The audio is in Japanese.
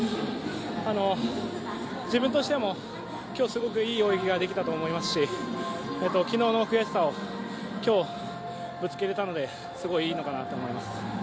自分としても今日すごくいい泳ぎができたと思いますし昨日の悔しさを今日、ぶつけられたので、すごい、いいのかなと思います。